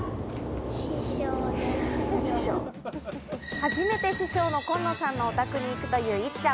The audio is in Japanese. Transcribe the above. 初めて師匠のコンノさんのお宅に行くという、いっちゃん。